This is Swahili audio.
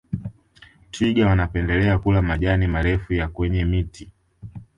twiga wanapendelea kula majani marefu ya kwenye miti